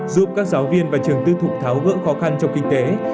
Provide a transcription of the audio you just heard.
giúp các giáo viên và trường tư thục tháo gỡ khó khăn trong kinh tế